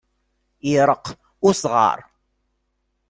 Iṛeqq usɣaṛ.